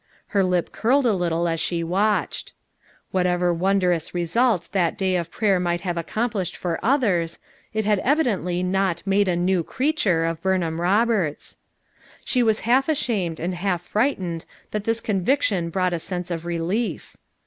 Her lip curled a little as she watched. Whatever won drous results that day of prayer might have accomplished for others, it had evidently not made a "new creature' ' of Burnham Roberts. She was half ashamed and half frightened that this conviction brought a sense of relief.